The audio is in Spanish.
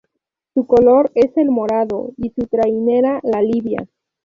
Su color es el morado y su trainera la "Libia".